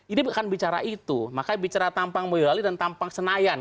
ini bukan bicara itu makanya bicara tampang boyolali dan tampang senayan